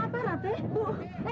tidak tidak tidak tidak